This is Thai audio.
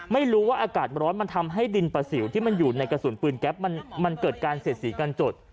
ไม่รู้ว่าอากาศร้อนมันทำให้ดินประสิวที่มันอยู่ในกระสุนปืนแก๊ปมันเกิดการเสียดสีกันจด